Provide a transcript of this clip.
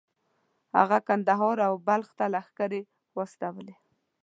هغه کندهار او بلخ ته لښکرې واستولې.